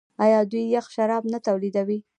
آیا دوی یخ شراب نه تولیدوي؟